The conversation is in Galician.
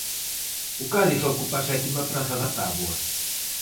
O Cádiz ocupa a sétima praza da táboa.